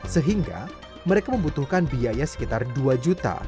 sehingga mereka membutuhkan biaya sekitar dua juta untuk tiga puluh jus al quran